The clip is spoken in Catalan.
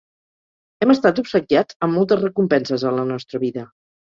Hem estat obsequiats amb moltes recompenses a la nostra vida.